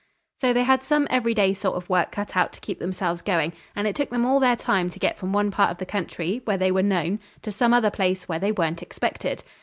So they had some every day sort of work cut out to keep themselves going, and it took them all their time to get from one part of the country where they were known to some other place where they weren't expected.